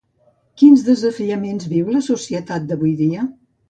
Quins desafiaments viu la societat d'avui dia?